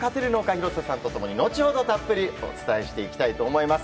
廣瀬さんと共に後ほどたっぷりお伝えしていきたいと思います。